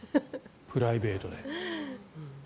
プライベートで。